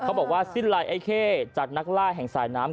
บอกว่าสิ้นลายไอเข้จากนักล่าแห่งสายน้ำ